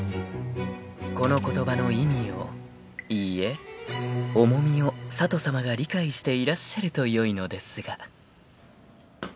［この言葉の意味をいいえ重みを佐都さまが理解していらっしゃるとよいのですが］